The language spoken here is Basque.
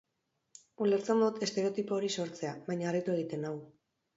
Ulertzen dut estereotipo hori sortzea, baina harritu egiten nau.